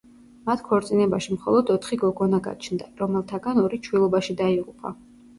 მათ ქორწინებაში მხოლოდ ოთხი გოგონა გაჩნდა, რომელთაგან ორი ჩვილობაში დაიღუპა.